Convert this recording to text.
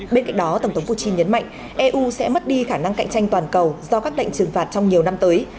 bên cạnh đó tổng thống putin nhấn mạnh eu sẽ mất đi khả năng cạnh tranh toàn cầu do các lệnh trừng phạt trong nhiều năm tới